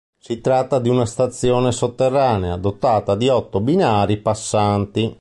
Si tratta di una stazione sotterranea, dotata di otto binari passanti.